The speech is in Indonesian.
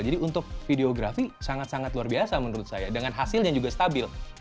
jadi untuk videografi sangat sangat luar biasa menurut saya dengan hasilnya juga stabil